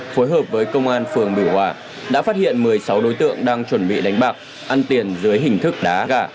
phối hợp với công an phường biểu hòa đã phát hiện một mươi sáu đối tượng đang chuẩn bị đánh bạc ăn tiền dưới hình thức đá gà